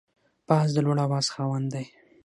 باز د لوړ اواز خاوند دی